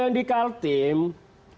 kalau di kalimantan timur